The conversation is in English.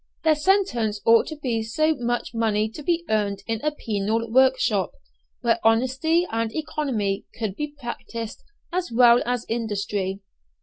Their sentences ought to be so much money to be earned in a penal workshop, where honesty and economy could be practised as well as industry.